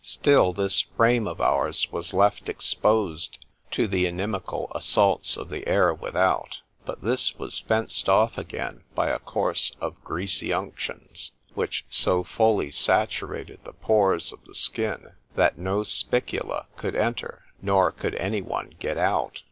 —— Still this frame of ours was left exposed to the inimical assaults of the air without;—but this was fenced off again by a course of greasy unctions, which so fully saturated the pores of the skin, that no spicula could enter;——nor could any one get out.